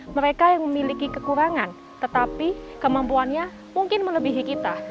mereka yang memiliki kekurangan tetapi kemampuannya mungkin melebihi kita